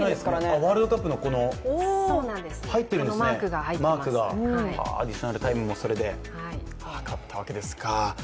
ワールドカップの、入ってるんですね、マークがアディショナルタイムもそれではかったわけですか。